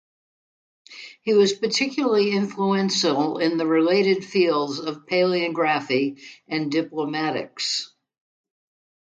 He was particularly influential in the related fields of palaeography and diplomatics.